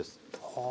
はあ。